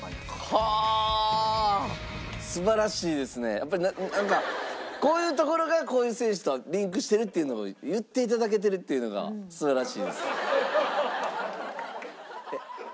やっぱりなんかこういうところがこういう選手とはリンクしてるっていうのを言って頂けてるっていうのが素晴らしいです。